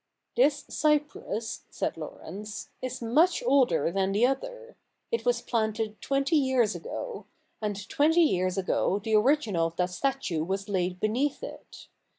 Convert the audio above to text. ' This cypress,' said Laurence, • is much older than the other. It was planted twenty years ago ; and twenty years ago the original of that statue was laid beneath it.